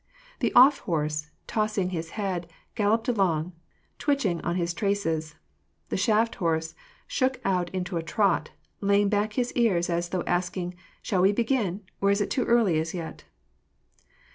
The off horse, tossing his head, galloped along, twitching on his traces. The shaft horse shook out into a trot, laying back his ears as though asking, " Shall we begin, or is it too early as yet